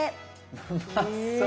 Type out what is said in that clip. うまそう。